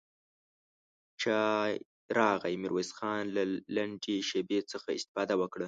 چای راغی، ميرويس خان له لنډې شيبې څخه استفاده وکړه.